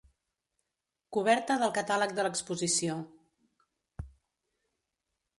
Coberta del catàleg de l'exposició.